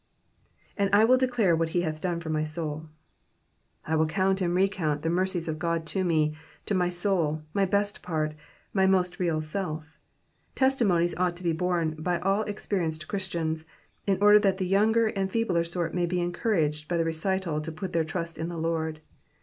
^^And I uiU declare uhat he hath done for my touV I ¥nll count and recount the mercies of God to me, to my soul, my best part, my most real self. Testimonies ought to be borne by all experienced Christians, in order that the younger and feebler sort may be encouraged by the recital to put their trust in the Lord.